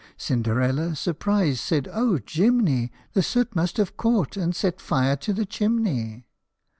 Cinderella, surprised, said, " Oh, Jim'ni ! The soot must have caught and set fire to the chimney!